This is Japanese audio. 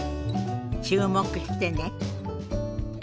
注目してね。